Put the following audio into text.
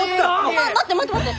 ま待って待って待って！